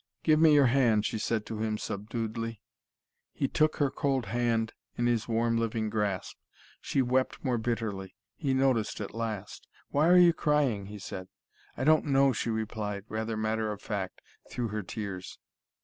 "Give me your hand," she said to him, subduedly. He took her cold hand in his warm, living grasp. She wept more bitterly. He noticed at last. "Why are you crying?" he said. "I don't know," she replied, rather matter of fact, through her tears.